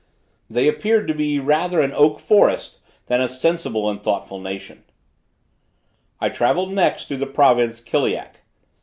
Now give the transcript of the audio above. They appeared to be rather an oak forest than a sensible and thoughtful nation. I travelled next through the province Kiliak.